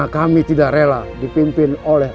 kami tidak rela dipimpin oleh